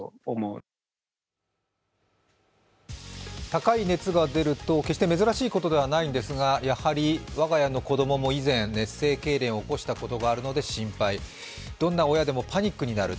高い熱が出ると、決して珍しいことではないのですが、やはり我が家の子供も以前、熱性けいれんを起こしたことがあるので心配、どんな親でもパニックになる。